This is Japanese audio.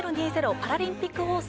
パラリンピック中継